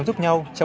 đó là thực sự